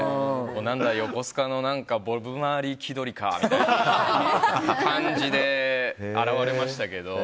横須賀のボブ・マーリー気取りかみたいな感じで現れましたけど。